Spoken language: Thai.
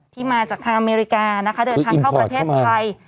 ที่มาจากทางอเมริกานะคะเดินทางเข้าประเทศไทย